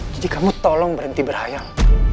jadi kamu tolong berhenti berhayang